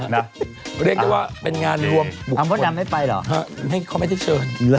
บุคคลิกที่ว่าเป็นงานรวมบุคคลิกฮะเขาไม่ได้เชิญ